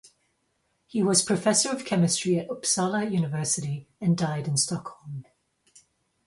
He was professor of chemistry at Uppsala University, and died in Stockholm.